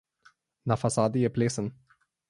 Na fasadi je plesen.